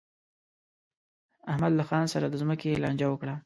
احمد له خان سره د ځمکې لانجه وکړه.